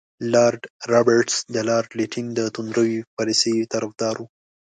لارډ رابرټس د لارډ لیټن د توندروي پالیسۍ طرفدار وو.